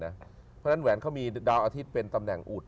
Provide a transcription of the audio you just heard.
เพราะฉะนั้นแหวนเขามีดาวอาทิตย์เป็นตำแหน่งอุด